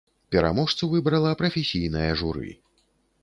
Пераможцу выбрала прафесійнае журы.